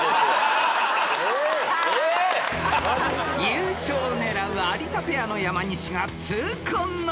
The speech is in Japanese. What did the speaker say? ［優勝を狙う有田ペアの山西が痛恨のミス］